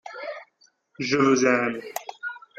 Je vous aime !